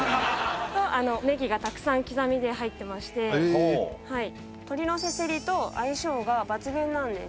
ネギがたくさん刻みで入ってまして鶏のせせりと相性が抜群なんです